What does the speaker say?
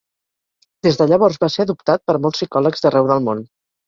Des de llavors va ser adoptat per molts psicòlegs d'arreu del món.